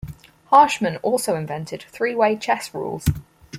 Harshman also invented three-way chess rules.